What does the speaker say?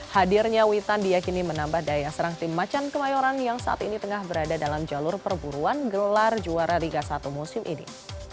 hadirnya witan diakini menambah daya serang tim macan kemayoran yang saat ini tengah berada dalam jalur perburuan gelar juara liga satu musim ini